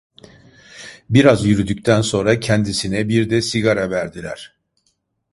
Biraz yürüdükten sonra kendisine bir de sigara verdiler…